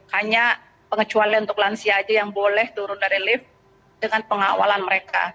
hanya pengecualian untuk lansia aja yang boleh turun dari lift dengan pengawalan mereka